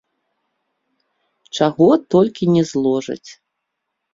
Чаго толькі не зложаць.